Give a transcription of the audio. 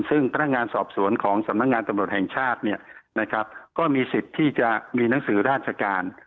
ซึ่งพนักงานสอบสวนของสำนักงานตำรวจแห่งชาติเนี่ยนะครับก็มีสิทธิ์ที่จะมีหนังสือราชการ